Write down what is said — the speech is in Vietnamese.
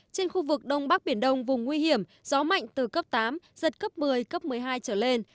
trên khu vực đông bắc biển đông vùng nguy hiểm gió mạnh từ cấp tám giật cấp một mươi cấp một mươi hai trở lên